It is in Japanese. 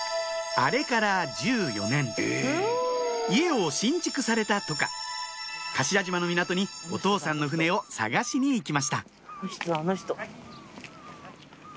家を新築されたとか頭島の港にお父さんの船を探しに行きました